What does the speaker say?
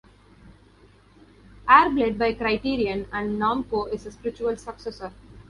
Airblade by Criterion and Namco is a spiritual successor.